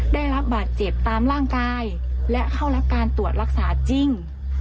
ได้รับบาดเจ็บตามร่างกายและเข้ารับการตรวจรักษาจริง